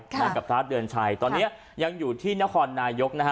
มากับพระเดือนชัยตอนนี้ยังอยู่ที่นครนายกนะฮะ